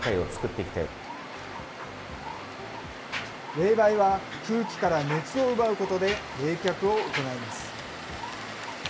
冷媒は空気から熱を奪うことで冷却を行います。